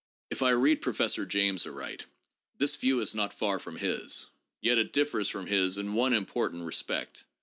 If I read Professor James aright, this view is not far from his, yet it differs from his in one important respect.